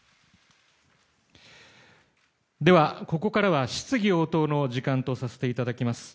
ここからは質疑応答の時間とさせていただきます。